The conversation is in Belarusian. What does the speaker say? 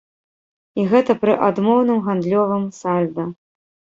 І гэта пры адмоўным гандлёвым сальда!